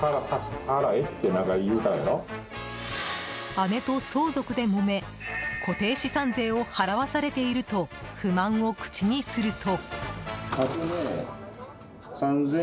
姉と相続でもめ固定資産税を払わされていると不満を口にすると。